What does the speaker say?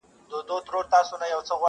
ككرۍ چي يې وهلې د بتانو٫